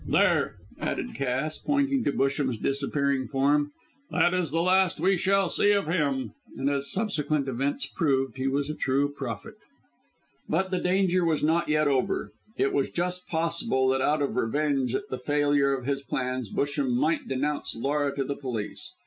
There," added Cass, pointing to Busham's disappearing form, "that is the last we shall see of him." And, as subsequent events proved, he was a true prophet. But the danger was not yet over. It was just possible that out of revenge at the failure of his plans, Busham might denounce Laura to the police.